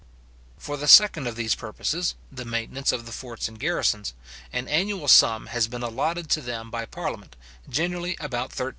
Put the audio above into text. For the second of these purposes, the maintenance of the forts and garrisons, an annual sum has been allotted to them by parliament, generally about £13,000.